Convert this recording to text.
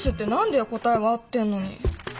答えは合ってんのに！